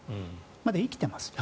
まだ生きています。